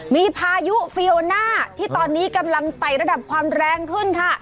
มีพายุฟีโอน่าที่ตอนนี้กำลังไต่ระดับความแรงขึ้นค่ะ